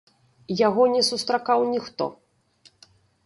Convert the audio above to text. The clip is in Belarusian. Яго не сустракаў ніхто.